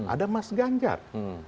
ada mas ganjar